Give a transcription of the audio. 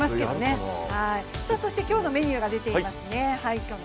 今日のメニューが出ています。